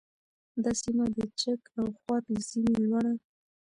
دا سیمه د چک او خوات له سیمې لوړه